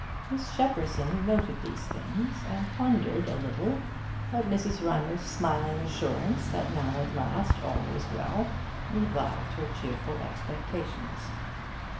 Miss Shepperson noted these things, and wondered a little, but Mrs. Rymer's smiling assurance that now at last all was well revived her cheerful expectations.